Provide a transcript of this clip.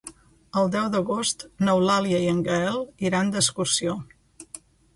El deu d'agost n'Eulàlia i en Gaël iran d'excursió.